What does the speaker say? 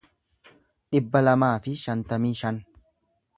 dhibba lamaa fi shantamii shan